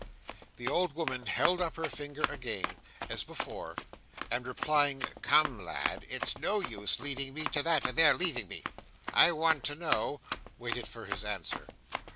The old woman held up her finger again, as before, and replying, "Come, lad! It's no use leading me to that, and there leaving me. I want to know" waited for his answer.